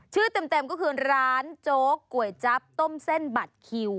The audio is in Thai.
เต็มก็คือร้านโจ๊กก๋วยจั๊บต้มเส้นบัตรคิว